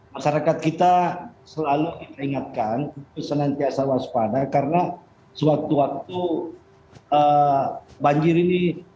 masyarakat kita selalu ingatkan untuk senantiasa waspada karena sewaktu waktu banjir ini